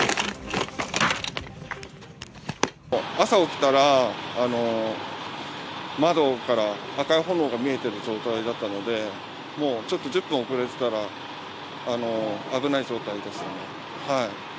朝起きたら、窓から赤い炎が見えてる状態だったので、もうちょっと１０分遅れてたら、危ない状態でしたね。